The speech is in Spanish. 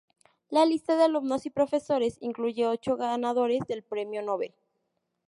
La lista de alumnos y profesores incluye ocho ganadores del Premio Nobel.